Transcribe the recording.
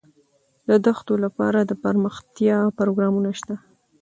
د دښتو لپاره دپرمختیا پروګرامونه شته.